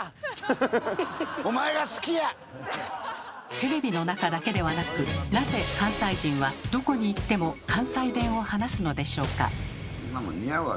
テレビの中だけではなくなぜ関西人はどこに行っても関西弁を話すのでしょうか？